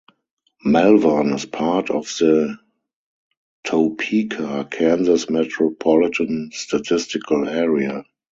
Melvern is part of the Topeka, Kansas Metropolitan Statistical Area.